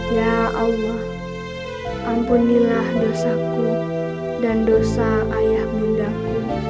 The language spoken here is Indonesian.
ya allah ampunilah dosaku dan dosa ayah bundaku